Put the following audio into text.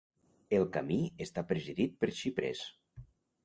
El camí està presidit per xiprers.